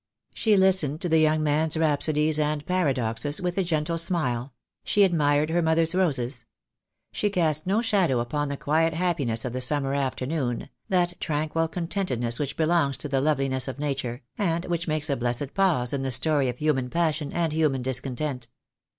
She listened to the young man's rhapsodies and paradoxes with a gentle smile; she admired her mother's roses. She cast no shadow upon the quiet happiness of the summer after noon, that tranquil contentedness which belongs to the loveliness of Nature, and which makes a blessed pause in the story of human passion and human discontent.